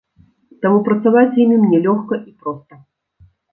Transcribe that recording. Таму працаваць з імі мне лёгка і проста.